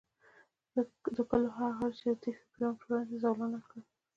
د کلو هغه غړي چې د تېښتې په جرم تورن دي، زولانه کړي